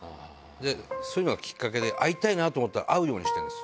そういうのがきっかけで、会いたいなと思ったら会うようにしてるんです。